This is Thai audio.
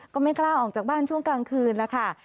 ก็ไม่กล้าออกจากบ้านช่วงกลางคืนแล้วค่ะ